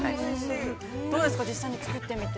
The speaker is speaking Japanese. ◆どうですか、実際につくってみて。